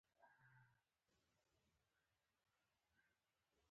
دا شمېر له یو سوه اتیا څخه شلو ته راټیټ شو